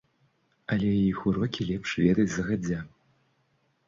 Але іх урокі лепш ведаць загадзя.